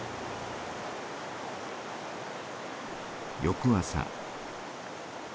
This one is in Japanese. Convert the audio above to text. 翌朝。